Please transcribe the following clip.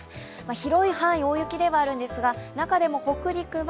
広い範囲大雪ではあるんですが、中でも北陸は